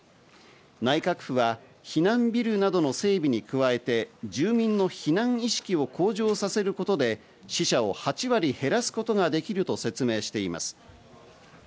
内閣府は避難ビルなどの整備に加えて住民の避難意識を向上させることで死者を８割減らすことができると説明しています。